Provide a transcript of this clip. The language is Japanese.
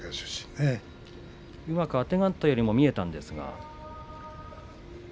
うまくあてがったようにも見えました。